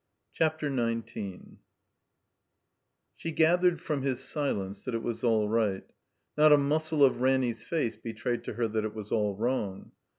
CHAPTER XIX SHE gathered from his silence that it was all right. Not a muscle of Ramiy's face betrayed to her that it was all wrong.